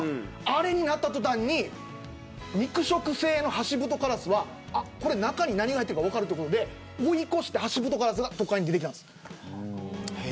あれになった途端に肉食性のハシブトガラスは中に何が入っているか分かるということで追い越して、ハシブトガラスが都会に出てきたんですよ。